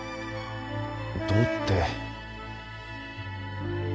どうって。